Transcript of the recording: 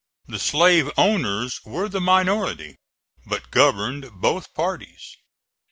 The slave owners were the minority, but governed both parties.